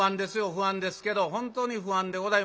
不安ですけど本当に不安でございましたね。